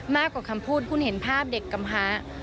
มากกว่าคำพูดคุณเห็นภาพเด็กกำฮา